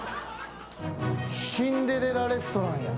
シンデレラレストランや。